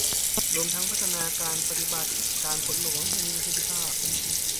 รวมทั้งพัฒนาการปฏิบัติการฝนหลวงให้มีประสิทธิภาพ